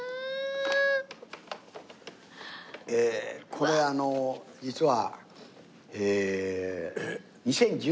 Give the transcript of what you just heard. これあの実は。